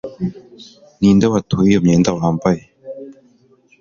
Ninde watoye iyo myenda wambaye